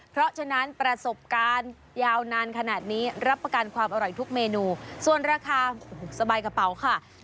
เพราะฉะนั้นประสบการณ์ยาวนานขนาดนี้รับประกันความอร่อยทุกเมนูส่วนราคาสบายกระเป๋าค่ะ